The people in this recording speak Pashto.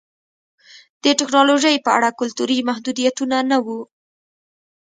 د ټکنالوژۍ په اړه کلتوري محدودیتونه نه وو